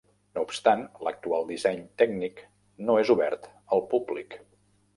No obstant, l'actual disseny tècnic no és obert al públic.